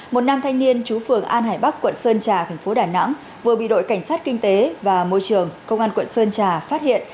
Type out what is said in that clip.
một nam thanh niên chú phường an hải bắc quận sơn trà thành phố đà nẵng vừa bị đội cảnh sát kinh tế và môi trường công an quận sơn trà phát hiện